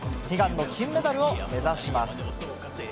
悲願の金メダルを目指します。